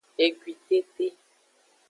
Egwitete.